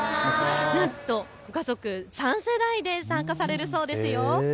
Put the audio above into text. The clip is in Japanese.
ご家族３世代で参加されるそうですよ。